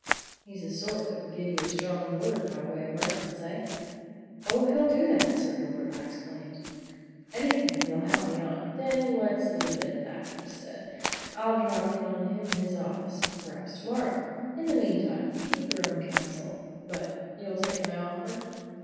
He's the sort that would give you a strong word by way of reference, eh?" "Oh, he'll do that, Sir Gilbert!" I exclaimed. "Anything that'll help me on " "Then let's leave it at that," said he. "I'll drop in on him at his office perhaps to morrow. In the meantime, keep your own counsel. But you'll take my offer?"